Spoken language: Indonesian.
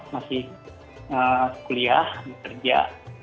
masih kuliah bekerja